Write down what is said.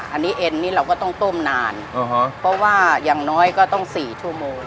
อันนี้เอ็นนี่เราก็ต้องต้มนานเพราะว่าอย่างน้อยก็ต้อง๔ชั่วโมง